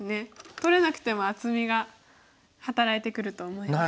取れなくても厚みが働いてくると思います。